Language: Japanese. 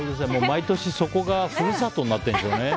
毎年、そこが故郷になってるんでしょうね。